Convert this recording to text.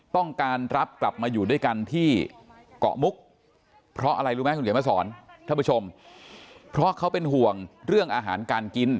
ต้องการรับกลับมาอยู่ด้วยกันที่เกาะมุกเพราะอะไรรู้ไหมคุณเขียนมาสอนท่านผู้ชมเพราะเขาเป็นห่วงเรื่องอาหารการกิน